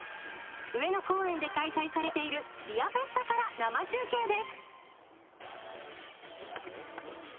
上野公園で開催されているビアフェスタから生中継です。